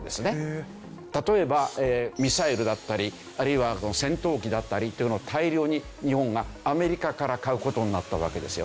例えばミサイルだったりあるいは戦闘機だったりっていうのを大量に日本がアメリカから買う事になったわけですよね。